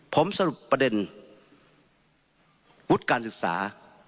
ผมสรุปประเด็นวุฒิการศึกษา